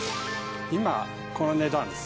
今この値段です。